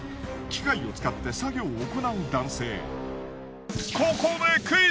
機械を使って作業を行う男性。